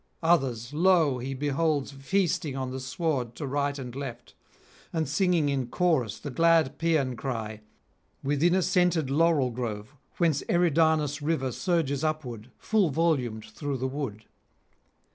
Others, lo! he beholds feasting on the sward to right and left, and singing in chorus the glad Paean cry, within a scented laurel grove whence Eridanus river surges upward full volumed through the wood.